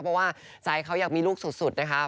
เพราะว่าใจเขาอยากมีลูกสุดนะคะ